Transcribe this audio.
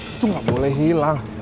itu gak boleh hilang